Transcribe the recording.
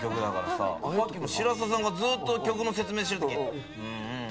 さっきもしらスタさんがずっと曲の説明してる時。